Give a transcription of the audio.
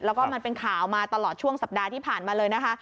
แล้วก็มันเป็นข่าวมาตลอดช่วงสัปดาห์ที่ผ่านมาเลยนะคะ